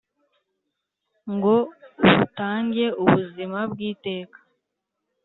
Ngo butange ubuzima bw iteka